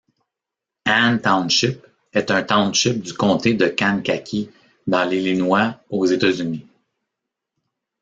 Anne Township est un township du comté de Kankakee dans l'Illinois, aux États-Unis.